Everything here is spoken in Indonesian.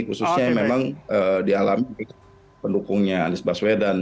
khususnya memang di alami pendukungnya anies baswedan